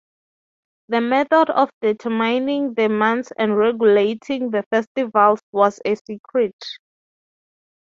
The method of determining the months and regulating the festivals was a secret.